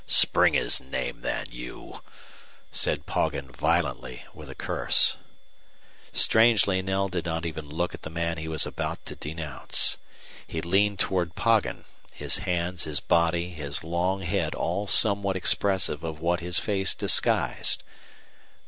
"Spring his name, then, you " said Poggin, violently, with a curse. Strangely Knell did not even look at the man he was about to denounce. He leaned toward Poggin, his hands, his body, his long head all somewhat expressive of what his face disguised.